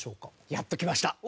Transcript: やっときました！